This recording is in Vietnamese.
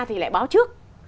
thì lại báo trước